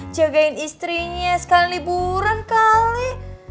jagain istrinya sekali liburan kali